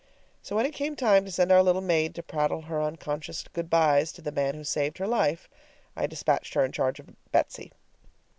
So when it came time to send our little maid to prattle her unconscious good bys to the man who had saved her life, I despatched her in charge of Betsy.